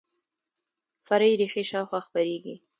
فرعي ریښې شاوخوا خپریږي